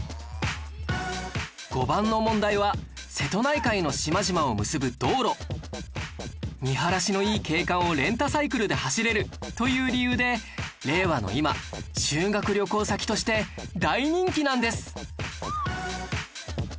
５番の問題は見晴らしのいい景観をレンタサイクルで走れるという理由で令和の今修学旅行先として大人気なんです